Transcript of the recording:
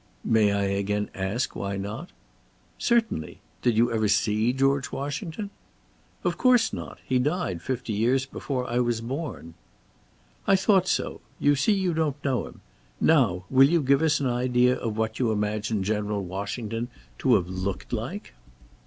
"May I again ask, why not?" "Certainly. Did you ever see George Washington?" "Of course not. He died fifty years before I was born." "I thought so. You see you don't know him. Now, will you give us an idea of what you imagine General Washington to have looked like?"